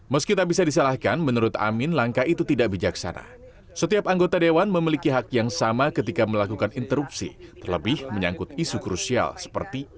meski tak bisa disalahkan menurut amin langkah itu tidak bijaksana setiap anggota dewan memiliki hak yang sama ketika melakukan interupsi terlebih menyangkut isu krusial seperti